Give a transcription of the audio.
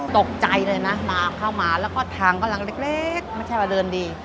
ตกใจเลยนะมาเข้ามาแล้วก็ทางก็ลงเล็กไม่ใช่ละเริ่มดี